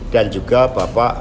dan juga bapak